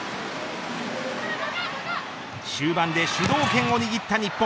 終盤で主導権を握った日本。